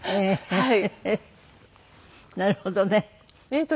はい。